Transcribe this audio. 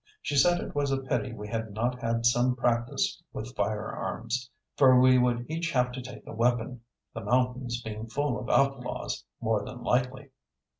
She said it was a pity we had not had some practice with firearms, for we would each have to take a weapon, the mountains being full of outlaws, more than likely.